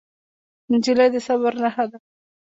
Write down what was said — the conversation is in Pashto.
نجلۍ د صبر نښه ده.